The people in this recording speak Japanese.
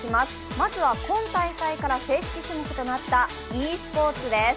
まずは今大会から正式種目となったｅスポーツです。